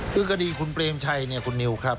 คือกดีคุณเปรมชัยคุณนิวครับ